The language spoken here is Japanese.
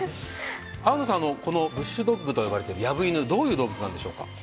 このブッシュドッグと呼ばれているヤブイヌ、どういう動物なんですか？